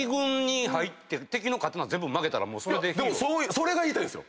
それが言いたいんですよ。